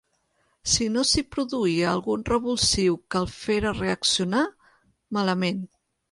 Si no s'hi produïa algun revulsiu que el fera reaccionar, malament.